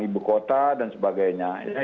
ibu kota dan sebagainya